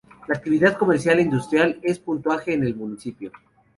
La actividad comercial e industrial es pujante en el municipio.